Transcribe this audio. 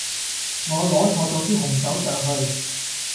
我攞錯咗支紅酒上去